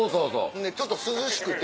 ほんでちょっと涼しくて。